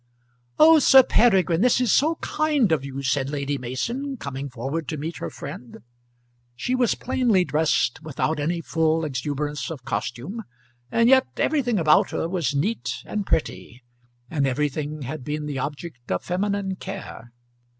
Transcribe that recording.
"Oh, Sir Peregrine, this is so kind of you," said Lady Mason, coming forward to meet her friend. She was plainly dressed, without any full exuberance of costume, and yet everything about her was neat and pretty, and everything had been the object of feminine care.